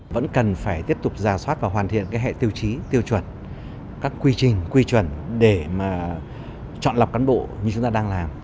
vẫn cần phải tiếp tục giả soát và hoàn thiện cái hệ tiêu chí tiêu chuẩn các quy trình quy chuẩn để mà chọn lọc cán bộ như chúng ta đang làm